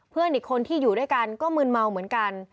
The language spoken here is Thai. เพื่อนอีกคนที่อยู่ด้วยกันก็มืนเมาเหมือนกัน